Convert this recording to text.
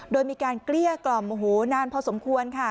โดยมีการเกลี้ยกล่อมโอ้โหนานพอสมควรค่ะ